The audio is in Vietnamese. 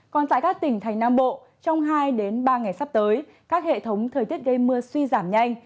còn tại các tỉnh thành nam bộ trong hai ba ngày sắp tới các hệ thống thời tiết gây mưa suy giảm nhanh